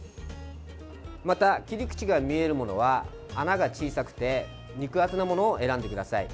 また、切り口が見えるものは穴が小さくて肉厚なものを選んでください。